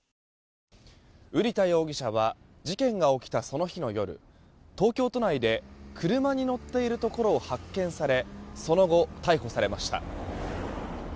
瓜田容疑者は事件が起きたその日の夜東京都内で車に乗っているところを発見されその後、逮捕されました。